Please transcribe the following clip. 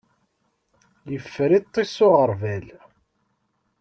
Yeffer iṭij s uɣerbal.